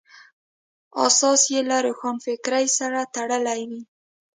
اساس یې له روښانفکرۍ سره تړلی وي.